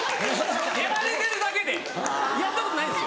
やられてるだけでやったことないんですよ。